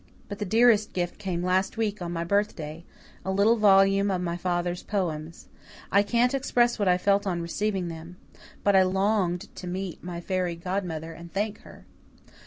But the dearest gift came last week on my birthday a little volume of my father's poems. I can't express what I felt on receiving them. But I longed to meet my fairy godmother and thank her."